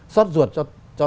xót ruột cho